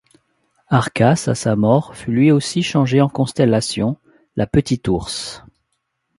Arcas, à sa mort, fut lui aussi changé en constellation, la Petite Ourse.